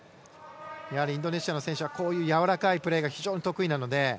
インドネシアの選手はやわらかいプレーが非常に得意なので。